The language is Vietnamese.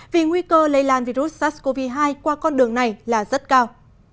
vì nguy cơ lây lan virus sars cov hai qua con đường này là rất cao